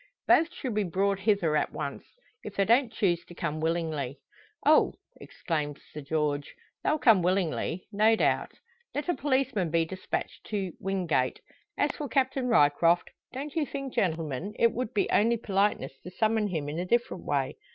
"Both should be brought hither at once if they don't choose to come willingly." "Oh!" exclaims Sir George, "they'll come willingly," no doubt. Let a policeman be despatched for "Wingate. As for Captain Ryecroft, don't you think gentlemen, it would be only politeness to summon him in a different way.